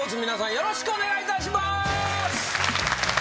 よろしくお願いします。